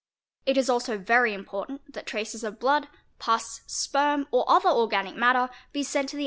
It is also very important that _ traces of blood, pus, sperm, or other organic matter, be sent to the